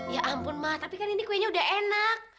ya ampun mah tapi kan ini kuenya udah enak